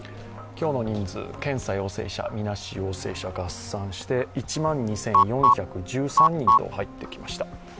今日の人数検査陽性者、みなし陽性者、合算して１万２４１３人と入ってきました。